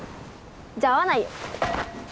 じゃあ会わないよ。